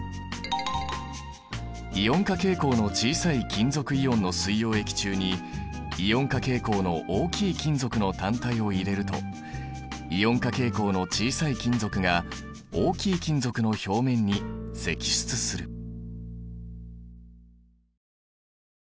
イオン化傾向の小さい金属イオンの水溶液中にイオン化傾向の大きい金属の単体を入れるとイオン化傾向の小さい金属が大きい金属の表面に析出する。